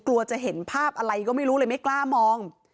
กลัวจะเห็นภาพอะไรก็ไม่รู้เลยไม่กล้ามอง